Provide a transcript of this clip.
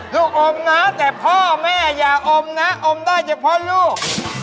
อมนะแต่พ่อแม่อย่าอมนะอมได้เฉพาะลูก